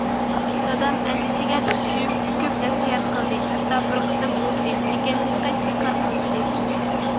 دادام ئەندىشىگە چۈشۈپ كۆپ نەسىھەت قىلدى، ھەتتا بىر قېتىم ئۇردى، لېكىن ھېچقايسىسى كار قىلمىدى.